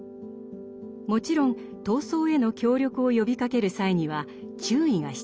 もちろん闘争への協力を呼びかける際には注意が必要。